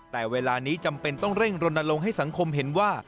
แต่เวลานี้จำเป็นต้องเร่งรณรงค์ให้สังคมเห็นว่า